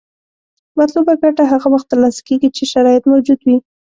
مطلوبه ګټه هغه وخت تر لاسه کیږي چې شرایط موجود وي.